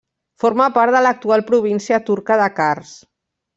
Forma part de l'actual província turca de Kars.